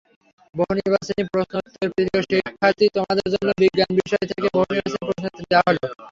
বহুনির্বাচনি প্রশ্নোত্তরপ্রিয় শিক্ষার্থী, তোমাদের জন্য বিজ্ঞান বিষয় থেকে বহুনির্বাচনি প্রশ্নোত্তর দেওয়া হলো।